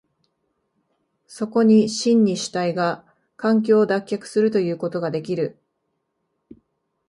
そこに真に主体が環境を脱却するということができる。